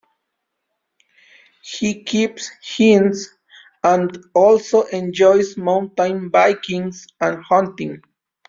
He keeps hens, and also enjoys mountain biking and hunting.